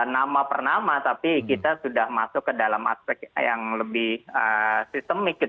nama per nama tapi kita sudah masuk ke dalam aspek yang lebih sistemik